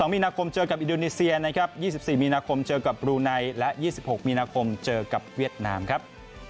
มีนาคมเจอกับอินโดนีเซียนะครับ๒๔มีนาคมเจอกับบรูไนและ๒๖มีนาคมเจอกับเวียดนามครับ